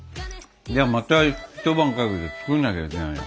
じゃあまた一晩かけて作んなきゃいけないよ。